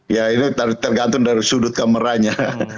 ya ini tergantung dari sudut kameranya